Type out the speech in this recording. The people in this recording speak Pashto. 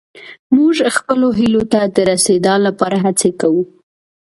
موږ خپلو هيلو ته د رسيدا لپاره هڅې کوو.